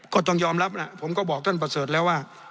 ก็ต้องยอมรับแหละผมก็บอกท่านประเสริฐแล้วว่า